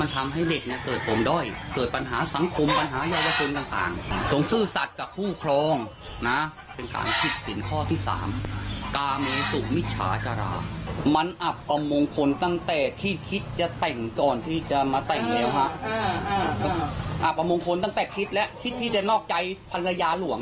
แต่งเหนียวฮะอ่ะประมงคลตั้งแต่คิดละคิดที่จะนอกใจภรรยาหลวง